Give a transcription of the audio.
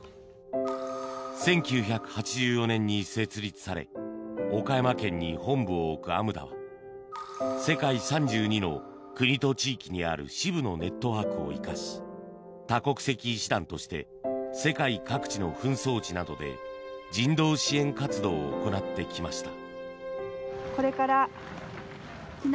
１９８４年に設立され岡山県に本部を置くＡＭＤＡは世界３２の国と地域にある支部のネットワークを生かし多国籍医師団として世界各地の紛争地などで人道支援活動を行ってきました。